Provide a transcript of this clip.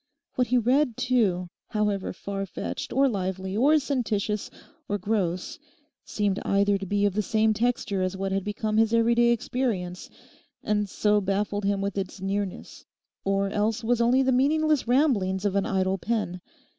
What he read, too, however far fetched, or lively, or sententious, or gross, seemed either to be of the same texture as what had become his everyday experience, and so baffled him with its nearness, or else was only the meaningless ramblings of an idle pen.